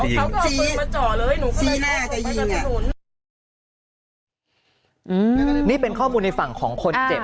พี่อืมเขาก็เอาฝืนมาจ๋อเลยอืมนี่เป็นข้อมูลในฝั่งของคนเจ็บ